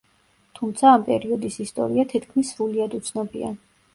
თუმცა ამ პერიოდის ისტორია თითქმის სრულიად უცნობია.